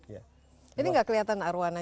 jadi tidak kelihatan arwana